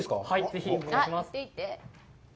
ぜひお願いします。